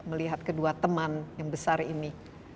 atau ada kekuatan yang besar ini